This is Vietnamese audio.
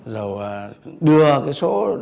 rồi đưa cái số đối tượng